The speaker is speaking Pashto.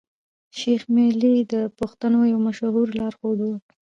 شېخ ملي د پښتنو يو مشهور لار ښود وو.